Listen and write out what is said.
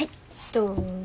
どうぞ。